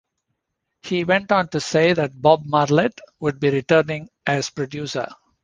He went on to say that Bob Marlette would be returning as producer.